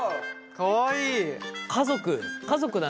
かわいい。